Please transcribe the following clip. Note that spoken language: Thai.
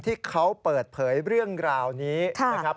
ที่เขาเปิดเผยเรื่องราวนี้นะครับ